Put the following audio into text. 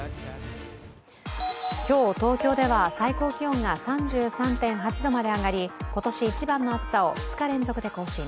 今日東京では最高気温が３３．８度まで上がり今年一番の暑さを２日連続で更新。